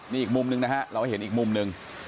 มีอีกมุมนึงนะฮะเราเห็นอีกมุมนึง